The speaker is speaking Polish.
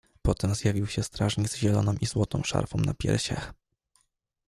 "Potem zjawił się strażnik z zieloną i złotą szarfą na piersiach."